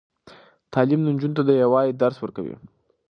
تعلیم نجونو ته د یووالي درس ورکوي.